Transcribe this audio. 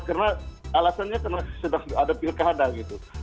karena alasannya karena sudah ada pilkada gitu